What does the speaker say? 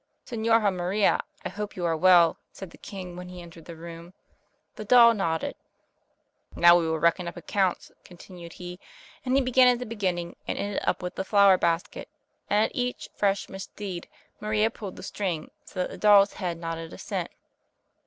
"Senhora Maria, I hope you are well," said the king when he entered the room. The doll nodded. "Now we will reckon up accounts," continued he, and he began at the beginning, and ended up with the flower basket, and at each fresh misdeed Maria pulled the string, so that the doll's head nodded assent.